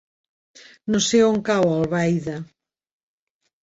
No sé on cau Albaida.